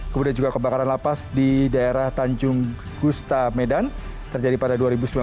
kemudian juga kebakaran lapas di daerah tanjung gusta medan terjadi pada dua ribu sembilan belas